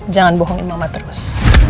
jangan bohongin mama terus